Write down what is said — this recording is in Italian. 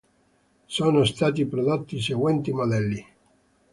Sono stati prodotti i seguenti modelli:.